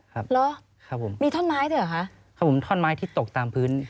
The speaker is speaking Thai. หรือมีท่อนไม้เหรอคะครับผมท่อนไม้ที่ตกตามพื้น